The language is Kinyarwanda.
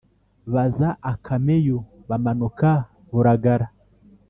Baza Akameyu, bamanuka Buragara